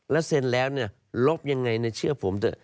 และแชนแล้วเนี่ยลบยังไงนะเชื่อผม